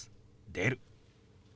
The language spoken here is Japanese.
「出る」。